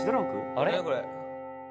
「あれ？」